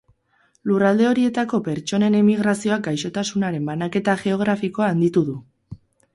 Lurralde horietako pertsonen emigrazioak gaixotasunaren banaketa geografikoa handitu du.